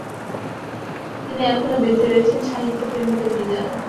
তিনি এখনো বেচে রয়েছেন সাহিত্যপ্রেমিকের হৃদয়ে।